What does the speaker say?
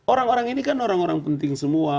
orang orang ini kan orang orang penting semua